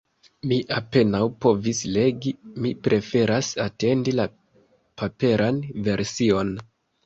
Mi apenaŭ povis legi, mi preferas atendi la paperan version.